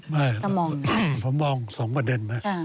ไม่ผมมอง๒ประเด็นนะ